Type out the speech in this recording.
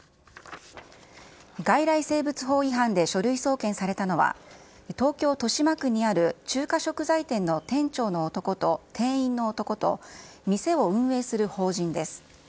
外来生物法違反で書類送検されたのは、東京・豊島区にある、中華食材店の店長の男と店員の男と、店を運営する法人です。